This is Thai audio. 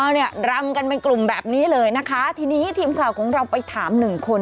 เอาเนี่ยรำกันเป็นกลุ่มแบบนี้เลยนะคะทีนี้ทีมข่าวของเราไปถามหนึ่งคน